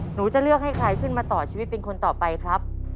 หนูจะเลือกให้ใครขึ้นมาต่อชีวิตเป็นคนต่อไปครับ